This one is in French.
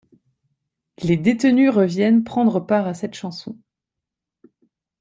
Les détenus reviennent prendre part à cette chanson.